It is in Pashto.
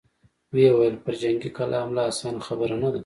ويې ويل: پر جنګي کلا حمله اسانه خبره نه ده!